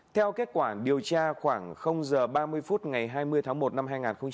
theo kết quả điều tra khoảng giờ ba mươi phút ngày hai mươi tháng một năm hai nghìn hai mươi